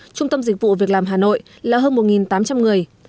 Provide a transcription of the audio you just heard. trung tâm dịch vụ việc làm hà nội là hơn một tám trăm linh người